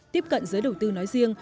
tiếp cận giới đầu tư nói riêng